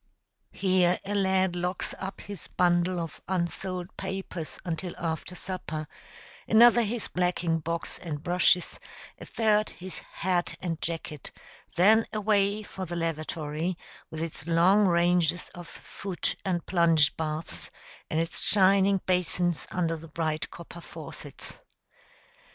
Here a lad locks up his bundle of unsold papers until after supper, another his blacking box and brushes, a third his hat and jacket; then away for the lavatory, with its long ranges of foot and plunge baths, and its shining basins under the bright copper faucets.